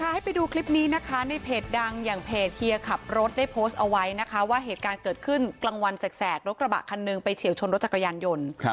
ให้ไปดูคลิปนี้นะคะในเพจดังอย่างเพจเฮียขับรถได้โพสต์เอาไว้นะคะว่าเหตุการณ์เกิดขึ้นกลางวันแสกรถกระบะคันหนึ่งไปเฉียวชนรถจักรยานยนต์